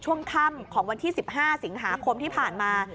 ช่วงค่ำของวันที่๑๕สิงหาคมที่ผ่านมา